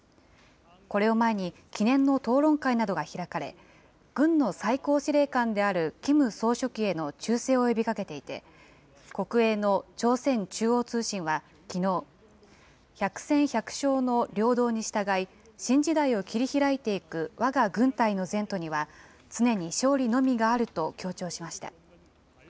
これを前に、記念の討論会などが開かれ、軍の最高司令官であるキム総書記への忠誠を呼びかけていて、国営の朝鮮中央通信はきのう、百戦百勝の領導に従い、新時代を切り開いていくわが軍隊の前途には、常に勝利のみがあると強調しました。